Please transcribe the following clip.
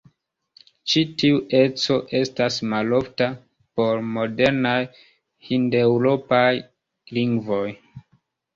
Tiu ĉi eco estas malofta por modernaj hindeŭropaj lingvoj.